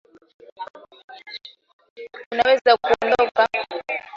Unaweza ukaondoka, ukaenda kupenda pengine